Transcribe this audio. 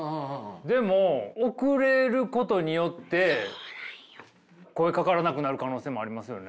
でも遅れることによって声かからなくなる可能性もありますよね。